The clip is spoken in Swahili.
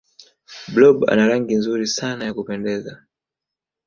blob ana rangi nzuri sana ya kupendeza